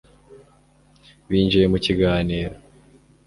binjiye mu kiganiro